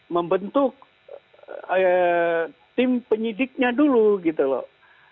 membentuk tim penyidiknya dulu gitu loh